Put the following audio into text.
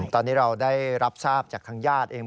ตอนนี้เราได้รับทราบจากทางญาติเอง